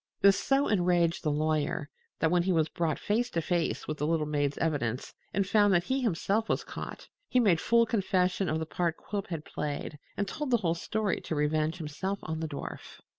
This so enraged the lawyer that, when he was brought face to face with the little maid's evidence and found that he himself was caught, he made full confession of the part Quilp had played, and told the whole story to revenge himself on the dwarf.